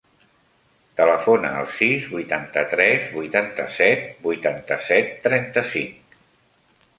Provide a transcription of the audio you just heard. Telefona al sis, vuitanta-tres, vuitanta-set, vuitanta-set, trenta-cinc.